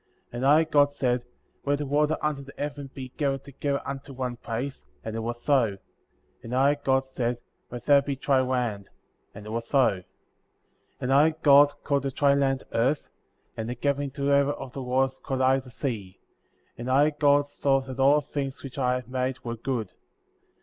9. And I, God, said: Let the water under the heaven be gathered together unto one place, and it was so; and I, God, said: Let there be dry land; and it was so. 10. And I, God, called the dry land Earth; and the gathering together of the waters called I the Sea; and I, God, saw that all things which I had made were good.